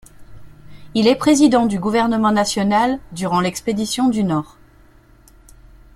Il est président du gouvernement national durant l'expédition du Nord.